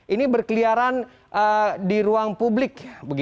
ini berkeliaran di ruang publik